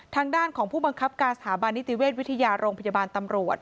ทางด้านของผู้บังคับการสถาบันนิติเวชวิทยาโรงพยาบาลตำรวจ